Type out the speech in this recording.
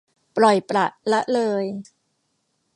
ปล่อยปละละเลย